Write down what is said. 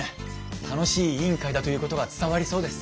楽しい委員会だということが伝わりそうです。